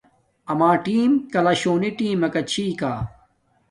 اَمݳ ٹݵم کَلݳ شݸنݵ ٹݵمَکݳ چھݵکݳ.